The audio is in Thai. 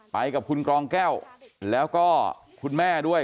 ไปกับคุณกรองแก้วแล้วก็คุณแม่ด้วย